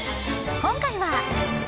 今回は。